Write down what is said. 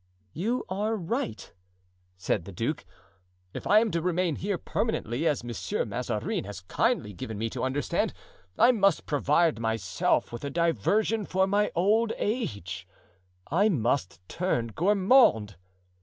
"You are right," said the duke. "If I am to remain here permanently, as Monsieur Mazarin has kindly given me to understand, I must provide myself with a diversion for my old age, I must turn gourmand."